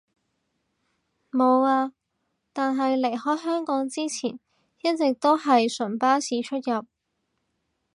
無呀，但係離開香港之前一直都係純巴士出入